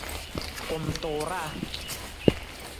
Kumtuuraa.